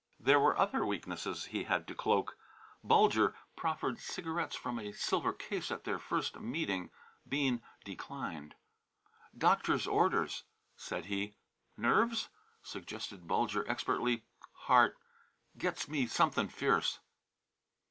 There were other weaknesses he had to cloak. Bulger proffered cigarettes from a silver case at their first meeting. Bean declined. "Doctor's orders," said he. "Nerves?" suggested Bulger, expertly. "Heart gets me something fierce."